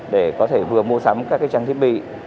để có thể vừa mua sắm các trang thiết bị